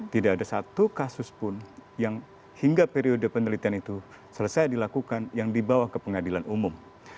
tidak ada satu kasus pun yang hingga periode penelitian itu selesai dilakukan yang dibawa ke pengadilan umum